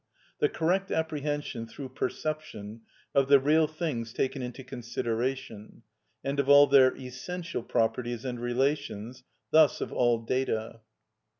The correct apprehension through perception of the real things taken into consideration, and of all their essential properties and relations, thus of all data.